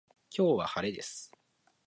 今日は晴れです。